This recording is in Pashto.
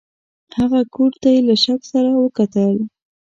هغه کوټ ته یې له شک سره وکتل.